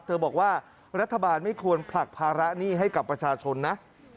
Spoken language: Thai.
บอกว่ารัฐบาลไม่ควรผลักภาระหนี้ให้กับประชาชนนะ